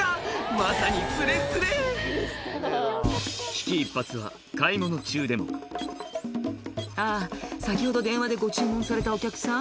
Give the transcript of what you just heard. まさにスレスレ危機一髪は買い物中でも「あぁ先ほど電話でご注文されたお客さん？」